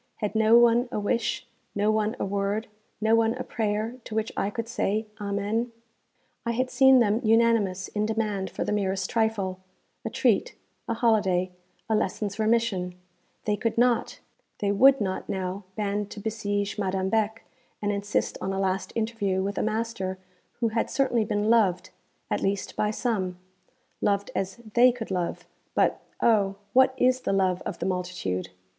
Had no one a wish, no one a word, no one a prayer to which I could say Amen? I had seen them unanimous in demand for the merest trifle a treat, a holiday, a lesson's remission; they could not, they would not now band to besiege Madame Beck, and insist on a last interview with a master who had certainly been loved, at least by some loved as they could love; but, oh! what is the love of the multitude?